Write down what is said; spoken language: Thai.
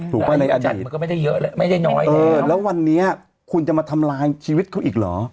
ถูกปะในอดีตแล้ววันนี้คุณจะมาทำลายชีวิตเขาอีกเหรอ